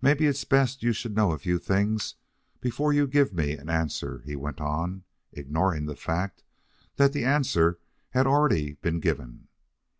"Mebbe it's best you should know a few things before you give me an answer," he went on, ignoring the fact that the answer had already been given.